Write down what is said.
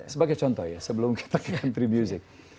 sebagai contoh ya sebelum kita ke country music